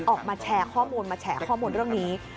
ออกมาแชร์ข้อมูลเรื่องนี้